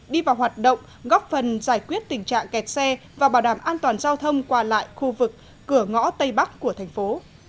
đi vào hoạt động góp phần giải quyết tình trạng kẹt xe và bảo đảm an toàn giao thông qua lại khu vực cửa ngõ tây bắc của thành phố